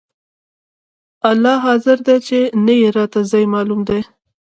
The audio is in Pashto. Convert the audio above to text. الله حاضر دى چې نه يې راته ځاى معلوم دى.